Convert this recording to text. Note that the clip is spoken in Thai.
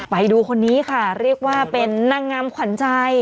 ไปดูคนนี้ค่ะเรียกว่าเป็นนางงามขวัญใจ